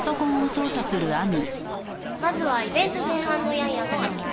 まずはイベント前半のヤンヤンの歩き方。